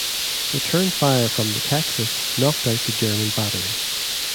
Return fire from the "Texas" knocked out the German battery.